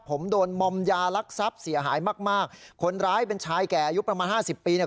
ผมโดนมอมยาลักทรัพย์เสียหายมากมากคนร้ายเป็นชายแก่อายุประมาณห้าสิบปีเนี่ย